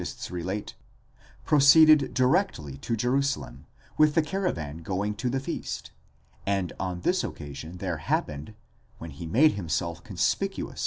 LAST JOURNEY OF JESUS TO JERUSALEM, 552 relate) proceeded directly to Jerusalem with the caravan going to the feast, and on this occasion there happened, when he made himself conspicuous.